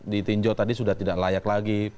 ditinjau tadi sudah tidak layak lagi